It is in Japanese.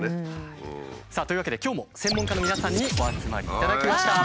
うん。というわけで今日も専門家の皆さんにお集まりいただきました。